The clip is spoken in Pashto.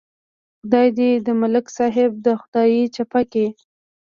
خدای دې د ملک صاحب دا خدایي چپه کړي.